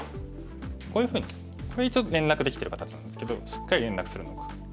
こういうふうにこれ一応連絡できてる形なんですけどしっかり連絡するのか。